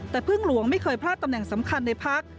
แต่พึ่งหลวงไม่เคยพลาดตำแหน่งสำคัญในพัก